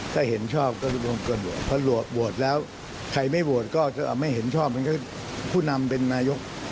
ถ้าเห็นชอบก็จะรวมกันโหวดเพราะโหวดแล้วใครไม่โหวดก็ไม่เห็นชอบมันก็คู่นำเป็นนายก